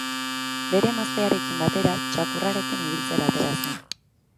Bere emaztearekin batera txakurrarekin ibiltzera atera zen.